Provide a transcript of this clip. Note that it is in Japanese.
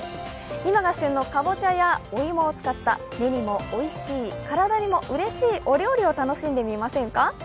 今が旬のかぼちゃやお芋を使った目にもおいしい、体にもうれしいお料理を楽しんでみませんか？